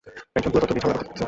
এক পুরাতত্ত্ববিদ, ঝামেলা করতেছে।